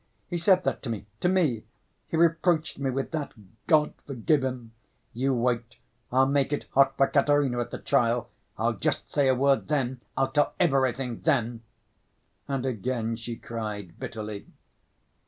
He said that to me, to me. He reproached me with that! God forgive him! You wait, I'll make it hot for Katerina at the trial! I'll just say a word then ... I'll tell everything then!" And again she cried bitterly.